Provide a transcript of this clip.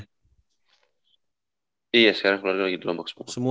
iya sekarang keluarga lagi di lombok semua